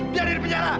biar dia di penjara